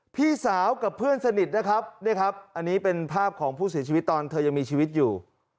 พี่สาวกับเพื่อนสนิทนะครับเนี่ยครับอันนี้เป็นภาพของผู้เสียชีวิตตอนเธอยังมีชีวิตอยู่